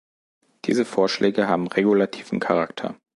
Diese Vorschläge haben regulativen Charakter.